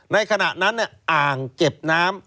ในขณะนั้นอ่างเก็บน้ำ